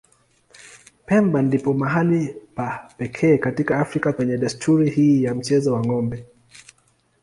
Pemba ndipo mahali pa pekee katika Afrika penye desturi hii ya mchezo wa ng'ombe.